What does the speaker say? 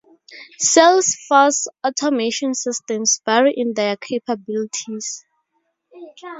Sales-force automation systems vary in their capablities.